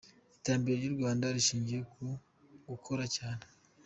Iterambere ry’u Rwanda rishingiye ku gukora cyane.